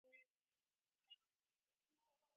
ސެނިޓޭޝަން އަދި ހާރބަރ މަޝްރޫޢުގެ ޕްރޮޖެކްޓް މެނޭޖްމަންޓް